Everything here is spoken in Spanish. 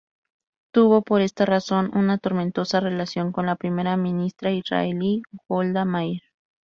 Tuvo, por esta razón, una tormentosa relación con la Primera Ministra israelí Golda Meir.